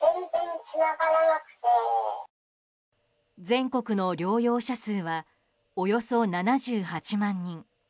全国の療養者数はおよそ７８万人。